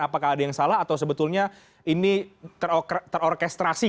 apakah ada yang salah atau sebetulnya ini terorkestrasi